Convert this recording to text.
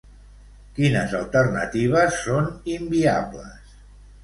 Quines alternatives són inviables?